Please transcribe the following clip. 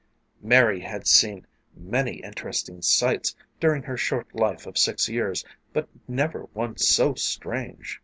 Mary had seen many interesting sights during her short life of six years, but never one so strange.